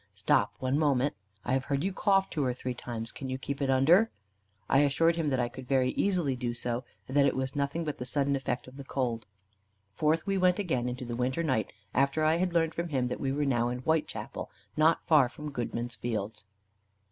Stop one moment. I have heard you cough two or three times. Can you keep it under?" I assured him that I could very easily do so, and that it was nothing but the sudden effect of the cold. Forth we went again into the winter night, after I had learned from him that we were now in Whitechapel, not far from Goodman's Fields.